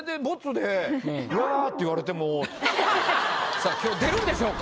さあ今日出るんでしょうか？